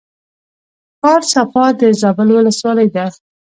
ښار صفا د زابل ولسوالۍ ده